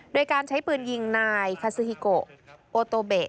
โดยการใช้ปืนยิงนายคาซูฮิโกโอโตเบะ